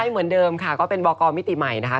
เหมือนเดิมค่ะก็เป็นวกรมิติใหม่นะคะ